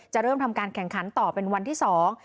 เริ่มทำการแข่งขันต่อเป็นวันที่สอง